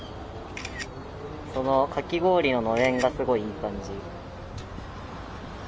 そのかき氷ののれんがすごいいい感じ。